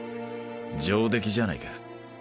上出来じゃないか。